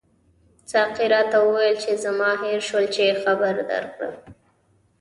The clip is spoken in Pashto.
ساقي راته وویل چې زما هېر شول چې خبر درکړم.